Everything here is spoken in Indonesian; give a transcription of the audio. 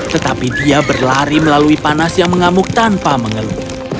tetapi dia berlari melalui panas yang mengamuk tanpa mengeluh